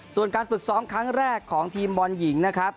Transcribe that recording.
ส่วนการฝึกซ้อมครั้งแรกของทีมบอลหญิงนะครับ